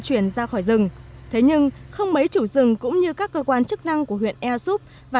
chuyển ra khỏi rừng thế nhưng không mấy chủ rừng cũng như các cơ quan chức năng của huyện ea súp và